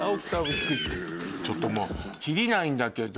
ちょっともうキリないんだけど。